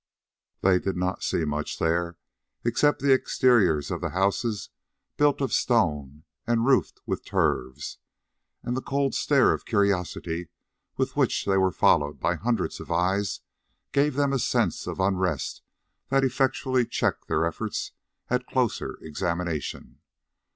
They did not see much there, except the exteriors of the houses built of stone and roofed with turves, and the cold stare of curiosity with which they were followed by hundreds of eyes gave them a sense of unrest that effectually checked their efforts at closer examination.